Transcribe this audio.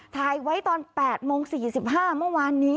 ถ่ายไว้ตอน๘โมง๔๕เมื่อวานนี้